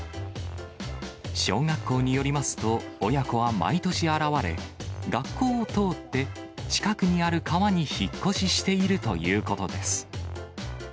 小学校によりますと、親子は毎年現れ、学校を通って、近くにある川に引っ越ししているということです。